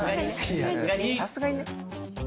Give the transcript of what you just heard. いやさすがにね。